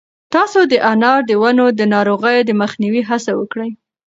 تاسو د انار د ونو د ناروغیو د مخنیوي هڅه وکړئ.